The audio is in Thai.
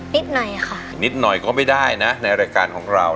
นิดหน่อยค่ะนิดหน่อยก็ไม่ได้นะในรายการของเรา